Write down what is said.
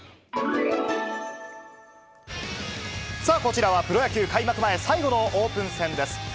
さあ、こちらはプロ野球開幕前、最後のオープン戦です。